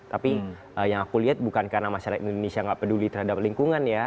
tapi yang aku lihat bukan karena masyarakat indonesia nggak peduli terhadap lingkungan ya